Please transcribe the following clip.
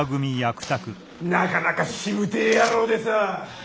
なかなかしぶてえ野郎でさあ。